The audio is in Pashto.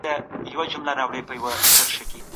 خلګو ولي ميرويس خان نيکه ته د نيکه لقب ورکړ؟